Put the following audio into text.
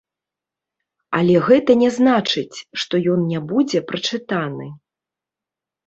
Але гэта не значыць, што ён не будзе прачытаны.